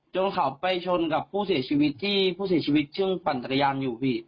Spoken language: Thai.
เขาไปชนกับผู้เสียชีวิตที่ผู้เสียชีวิตซึ่งปั่นจักรยานอยู่พี่